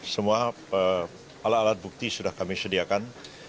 semua alat alat bukti sudah kami sediakan